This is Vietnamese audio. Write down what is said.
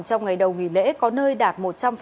trong ngày đầu nghỉ lễ có nơi đạt một trăm linh